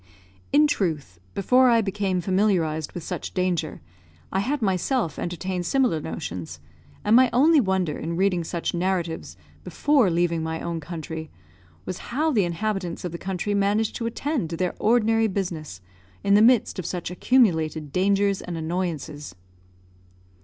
In truth, before I became familiarised with such danger, I had myself entertained similar notions, and my only wonder, in reading such narratives before leaving my own country, was how the inhabitants of the country managed to attend to their ordinary business in the midst of such accumulated dangers and annoyances.